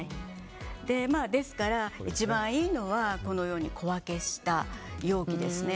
ですから、一番いいのはこのように小分けした容器ですね。